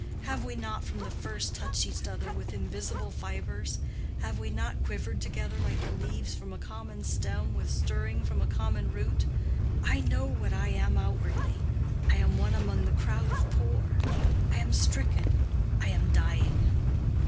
Have we not from the first touched each other with invisible fibres—have we not quivered together like the leaves from a common stem with stirring from a common root? I know what I am outwardly, I am one among the crowd of poor—I am stricken, I am dying.